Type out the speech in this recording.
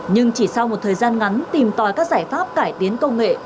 nhưng chỉ sau một thời gian ngắn tìm tòi các giải pháp cải tiến công nghệ